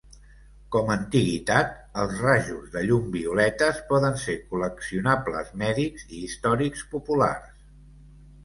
Com antiguitat, els rajos de llum violetes poden ser col·leccionables mèdics i històrics populars.